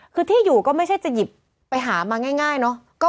คือที่อยู่ก็ไม่ใช่จะหยิบไปหามาง่ายเนอะ